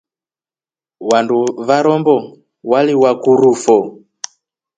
Wandu va Rombo waliwakurufo.